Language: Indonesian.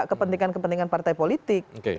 kepentingan kepentingan partai politik